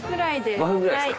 ５分くらいですか。